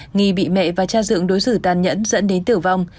nghi bị mẹ và cha dựng đối xử tàn nhẫn dẫn đến tử vong